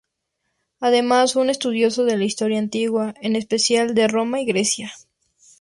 Además, fue un estudioso de la Historia Antigua, en especial de Roma y Grecia.